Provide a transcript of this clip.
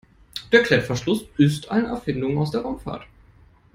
Der Klettverschluss ist eine Erfindung aus der Raumfahrt.